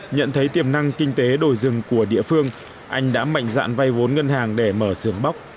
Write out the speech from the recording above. nhận thấy tiềm năng kinh tế đồi rừng của địa phương anh đã mạnh dạn vay vốn ngân hàng để mở sưởng bóc